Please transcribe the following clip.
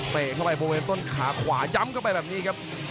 เตะเข้าไปบริเวณต้นขาขวาย้ำเข้าไปแบบนี้ครับ